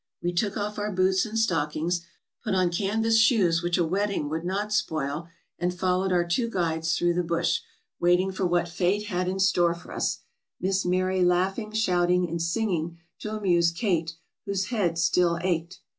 We took off our boots and stockings, put on canvas shoes which a wet ting would not spoil, and followed our two guides through the bush, waiting for what fate had in store for us, Miss Mari laughing, shouting, and singing to amuse Kate, whose head still ached.